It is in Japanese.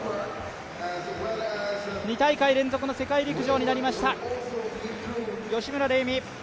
２大会連続の世界陸上になりました吉村玲美。